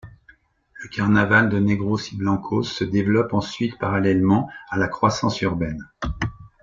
Le carnaval de Negros y Blancos se développe ensuite parallèlement à la croissance urbaine.